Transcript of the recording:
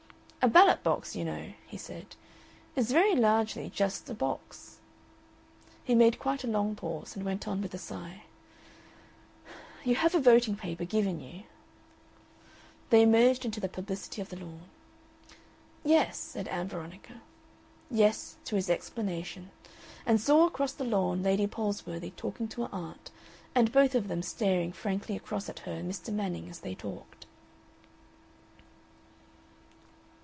"A ballot box, you know," he said, "is very largely just a box." He made quite a long pause, and went on, with a sigh: "You have a voting paper given you " They emerged into the publicity of the lawn. "Yes," said Ann Veronica, "yes," to his explanation, and saw across the lawn Lady Palsworthy talking to her aunt, and both of them staring frankly across at her and Mr. Manning as they talked.